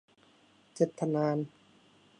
เจ็ดทะนาน